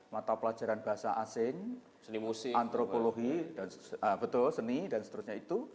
mata pelajaran bahasa asing antropologi betul seni dan seterusnya itu